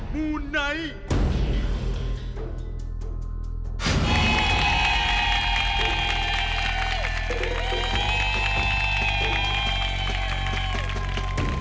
มูไนท์